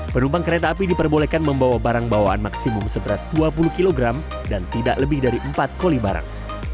penumpang kereta api diperbolehkan membawa barang bawaan maksimum seberat dua puluh kg dan tidak lebih dari empat koli barang